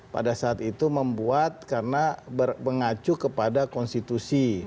pada saat itu membuat karena mengacu kepada konstitusi